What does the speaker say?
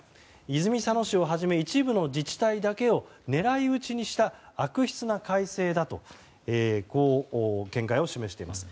泉佐野市をはじめ一部の自治体だけを狙い撃ちにした悪質な改正だとこう見解を示しています。